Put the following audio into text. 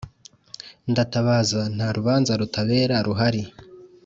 ndatabaza nta rubanza rutabera ruhari